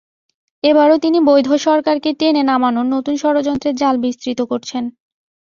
এবারও তিনি বৈধ সরকারকে টেনে নামানোর নতুন ষড়যন্ত্রের জাল বিস্তৃত করছেন।